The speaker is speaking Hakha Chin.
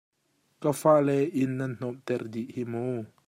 Ka fale, inn nan hnawmh ter dih hi mu!